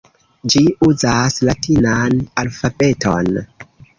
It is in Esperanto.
Ĝi uzas latinan alfabeton.